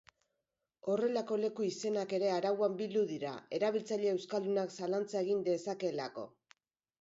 Horrelako leku-izenak ere arauan bildu dira, erabiltzaile euskaldunak zalantza egin dezakeelako.